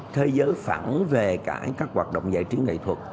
thế giới phản về cả các hoạt động giải trí nghệ thuật